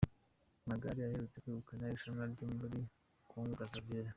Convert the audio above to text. Magare aherutse kwegukana irushanwa ryo muri Congo Brazzaville.